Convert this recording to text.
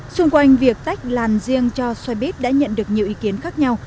xung quanh việc tách làn riêng cho xe buýt đã nhận được nhiều ý kiến khác nhau